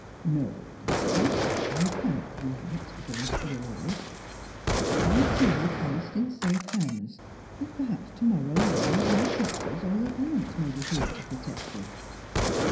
"No, Elizabeth, I cannot do that — against your wish. I will see you placed in safe hands, and perhaps to morrow one of youi sisters, or your aunt, may be here to protect you."